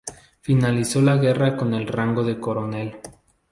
Finalizó la guerra con el rango de coronel.